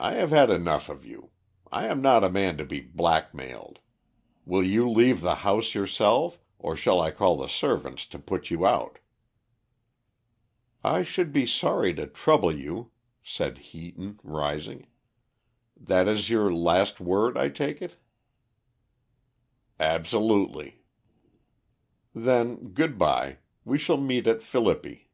I have had enough of you. I am not a man to be black mailed. Will you leave the house yourself, or shall I call the servants to put you out?" "I should be sorry to trouble you," said Heaton, rising. "That is your last word, I take it?" "Absolutely." "Then good bye. We shall meet at Philippi."